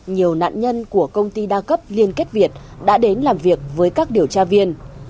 nhiều nạn nhân của công ty đa cấp liên kết việt đã đến làm việc với các điều tra viên